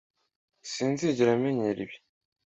Sinzigera menyera ibi